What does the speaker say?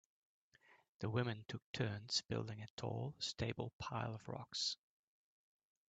The women took turns building a tall stable pile of rocks.